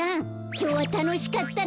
きょうはたのしかったね。